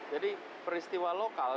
jadi peristiwa lokal